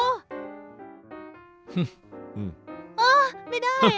อ้าไม่ได้